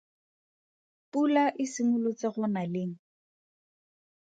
Pula e simolotse go na leng?